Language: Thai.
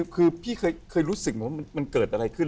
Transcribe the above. คือพี่เคยรู้สึกไหมว่ามันเกิดอะไรขึ้น